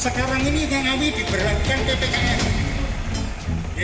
sekarang ini ngawi diberlakukan ppkm